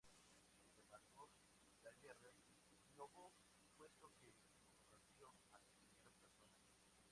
Sin embargo, Daguerre innovó, puesto que fotografió a las primeras personas.